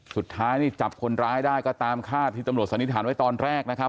สุดท้ายนี่จับคนร้ายได้ก็ตามคาดที่ตำรวจสันนิษฐานไว้ตอนแรกนะครับ